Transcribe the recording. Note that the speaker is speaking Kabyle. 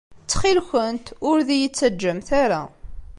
Ttxil-kent ur d-iyi-ttaǧǧamt ara.